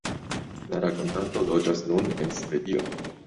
La rakontanto loĝas nun en Svedio.